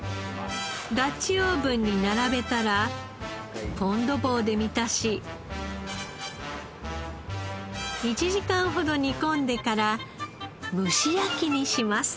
ダッチオーブンに並べたらフォンドボーで満たし１時間ほど煮込んでから蒸し焼きにします。